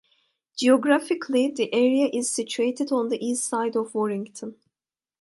Geographically the area is situated on the east side of Warrington.